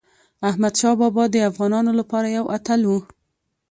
احمدشاه بابا د افغانانو لپاره یو اتل و.